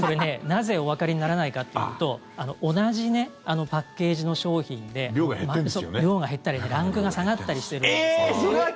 なぜおわかりにならないかというと同じパッケージの商品で量が減ったりランクが下がったりしてるんですよ。